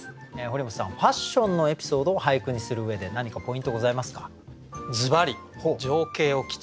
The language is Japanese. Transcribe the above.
堀本さんファッションのエピソードを俳句にする上で何かポイントございますか？